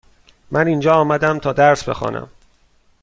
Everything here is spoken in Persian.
من اینجا آمدم تا درس بخوانم.